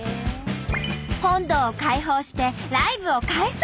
本堂を開放してライブを開催！